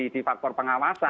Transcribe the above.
di faktor pengawasan